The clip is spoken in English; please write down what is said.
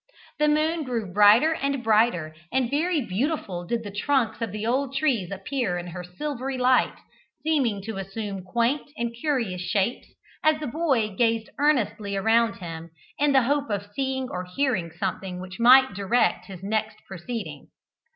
The moon grew brighter and brighter, and very beautiful did the trunks of the old trees appear in her silvery light, seeming to assume quaint and curious shapes, as the boy gazed earnestly around him, in the hope of seeing or hearing something which might direct his next proceeding.